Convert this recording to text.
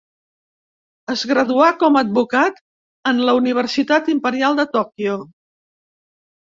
Es graduà com a advocat en la Universitat Imperial de Tòquio.